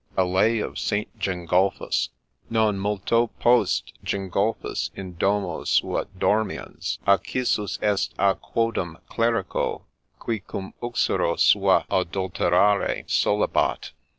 ' A LAY OF ST. GENGULPHUS * Non mult.6 post, Gengulphus, in domo sua dormiens, occisus est k quodam clerico qui cum uxore sua adulterare solebat.